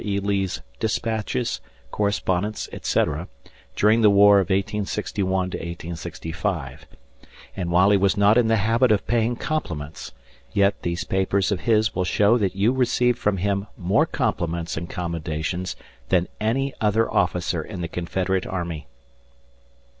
E. Lee's dispatches, correspondence, etc., during the war of 1861 1865; and while he was not in the habit of paying compliments, yet these papers of his will show that you received from him more compliments and commendations than any other officer in the Confederate army.